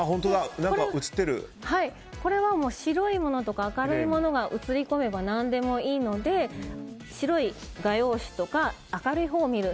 これは白いものとか明るいものが写り込めばなんでもいいので白い画用紙とか明るいほうを見る。